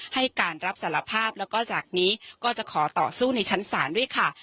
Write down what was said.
ให้การรับสารภาพแล้วก็จากนี้ก็จะขอต่อสู้ในชั้นศาลด้วยค่ะ